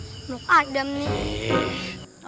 belum adam nih